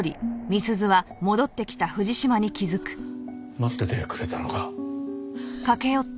待っててくれたのか。